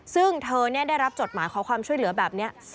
ซึ่งเธอได้รับจดหมายขอความช่วยเหลือแบบนี้